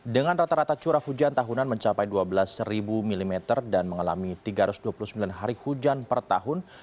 dengan rata rata curah hujan tahunan mencapai dua belas mm dan mengalami tiga ratus dua puluh sembilan hari hujan per tahun